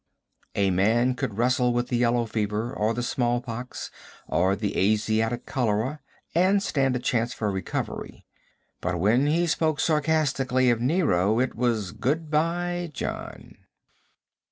A man could wrestle with the yellow fever, or the small pox, or the Asiatic cholera and stand a chance for recovery, but when he spoke sarcastically of Nero, it was good bye John.